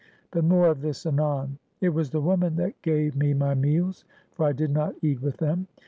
But more of this anon. It was the woman that gave me my meals; for I did not eat with them.